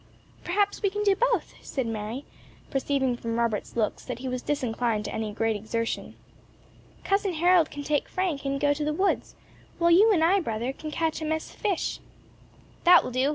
"Perhaps we can do both," said Mary, perceiving from Robert's looks that he was disinclined to any great exertion. "Cousin Harold can take Frank and go to the woods, while you and I, brother, can catch a mess of fish." "That will do!